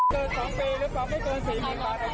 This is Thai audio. เกิน๒ปีหรือปำไม่เกิน๔หมีต่อสัตว์จัดทราบรับ